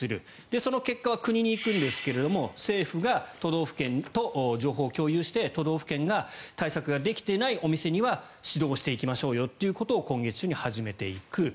その結果は国に行くんですけど政府が都道府県と情報を共有して都道府県が対策ができていないお店には指導していきましょうということを今月中から始めていく。